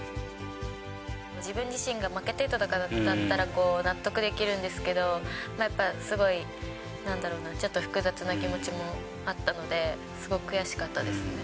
自分自身が負けてたとかだったら納得できるんですけど、やっぱり、すごい、なんだろうな、ちょっと複雑な気持ちもあったので、すごく悔しかったですね。